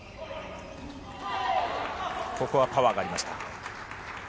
ここはパワーがありました。